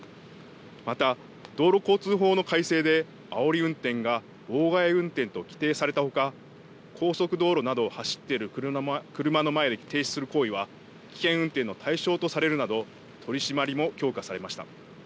また道路交通法の改正であおり運転が妨害運転と規定されたほか高速道路などを走っている車の前で停止する行為は危険運転の対象とされるなど取締りも強化されました。